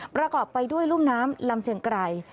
ประกอบไปด้วยรุ่มน้ำลำเชียงไกร